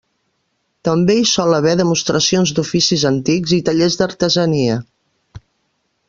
També hi sol haver demostracions d'oficis antics i tallers d'artesania.